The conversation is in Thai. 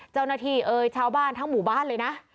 เจ้าหน้าที่ชาวบ้านทั้งหมู่บ้านเลยนะ